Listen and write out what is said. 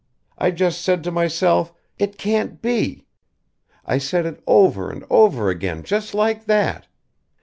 I just said to myself 'it can't be!' I said it over and over again just like that.